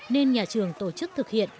nên nhà trường tổ chức thực hiện